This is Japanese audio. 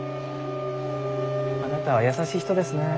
あなたは優しい人ですねえ。